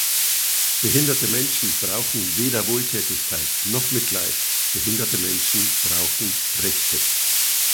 Behinderte Menschen brauchen weder Wohltätigkeit noch Mitleid, behinderte Menschen brauchen Rechte!